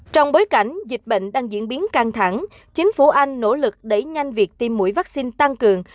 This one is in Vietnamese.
trong bối cảnh dịch bệnh đang diễn biến căng thẳng chính phủ anh nỗ lực đẩy nhanh việc tiêm mũi vaccine tăng cường